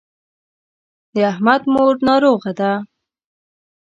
د احمد مور ناروغه ده.